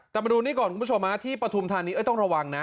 แต่มาดูนี่ก่อนคุณผู้ชมที่ปฐุมธานีต้องระวังนะ